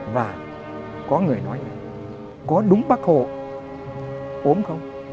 và có người nói có đúng bác hồ ốm không